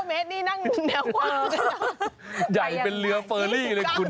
เมตรนี่นั่งแนวใหญ่เป็นเรือเฟอรี่เลยคุณ